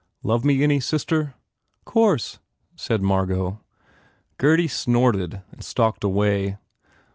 "Love me any, sister?" " Course," said Margot. Gurdy snorted and stalked away.